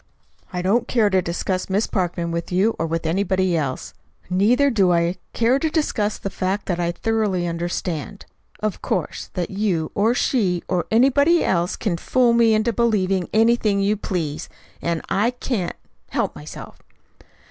"I don't care to discuss Miss Parkman with you or with anybody else. Neither do I care to discuss the fact that I thoroughly understand, of course, that you, or she, or anybody else, can fool me into believing anything you please; and I can't help myself."